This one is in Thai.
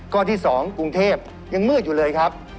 ข้อที่๒กรุงเทพยังมืดอยู่เลยครับ